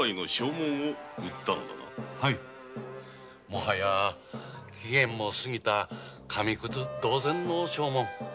もはや期限も過ぎた紙くず同然の証文。